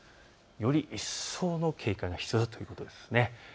より一層の警戒が必要だということです。